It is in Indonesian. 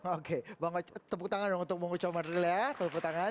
oke tepuk tangan dong untuk bung oce